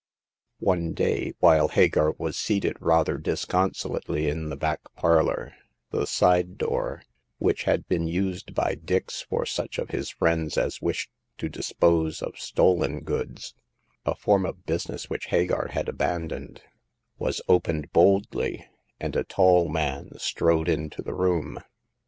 275 One day, while Hagar was seated rather dis consolately in the back parlor, the side door, which had been used by Dix for such of his friends as wished to dispose of stolen goods — a form of business which Hagar had abandoned — was opened boldly, and a tall man strode into the room.